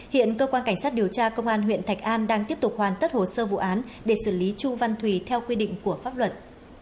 hiện cơ quan cảnh sát điều tra công an huyện thạch an đang tiếp tục hoàn tất hồ sơ vụ án để xử lý chu văn thùy theo quy định của pháp luật